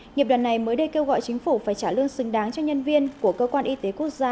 nghiệp đoàn này mới đây kêu gọi chính phủ phải trả lương xứng đáng cho nhân viên của cơ quan y tế quốc gia